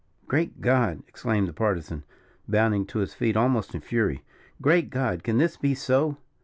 "Great God!" exclaimed the Partisan, bounding to his feet almost in fury; "great God! can this be so?